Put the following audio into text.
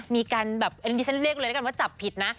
มีการแบบอันนี้ที่ฉันเรียกเลยแล้วกันว่าจับผิดนะ